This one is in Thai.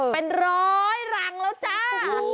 เป็นร้อยรังแล้วจ้า